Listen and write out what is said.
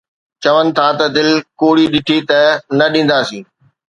چون ٿا ته دل ڪوڙي ڏٺي ته نه ڏينداسين